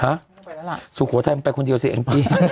ฮะสูงโขทับเป็นคนเดียว๖ง